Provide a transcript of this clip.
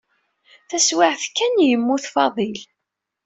Taswiɛt kan, yemmut Fadil.